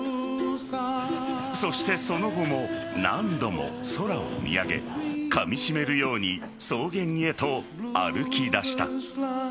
そして、その後も何度も空を見上げかみしめるように草原へと歩き出した。